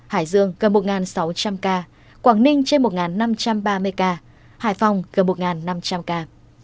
hải dương gần một sáu trăm linh ca quảng ninh trên một năm trăm ba mươi ca hải phòng gần một năm trăm linh ca